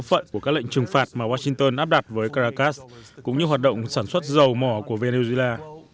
phận của các lệnh trừng phạt mà washington áp đặt với caracas cũng như hoạt động sản xuất dầu mỏ của venezuela